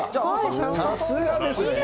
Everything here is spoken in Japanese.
さすがですね。